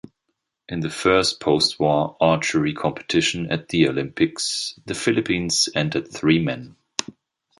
In the first postwar archery competition at the Olympics, the Philippines entered three men.